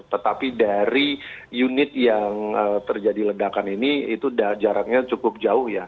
tetapi dari unit yang terjadi ledakan ini itu jaraknya cukup jauh ya